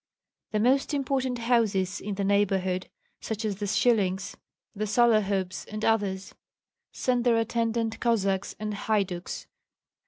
The most important houses in the neighborhood, such as the Schyllings, the Sollohubs, and others, sent their attendant Cossacks and haiduks.